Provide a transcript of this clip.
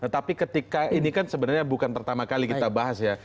tapi ketika ini kan sebenarnya bukan pertama kali kita bahas ya